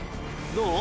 どう？